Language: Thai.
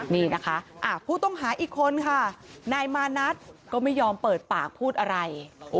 นี่นะคะผู้ต้องหาอีกคนค่ะนายมานัทก็ไม่ยอมเปิดปากพูดอะไร